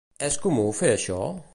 És comú fer això?